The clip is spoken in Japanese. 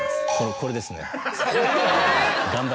これですね。